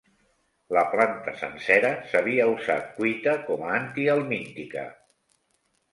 La planta sencera s'havia usat cuita com a antihelmíntica.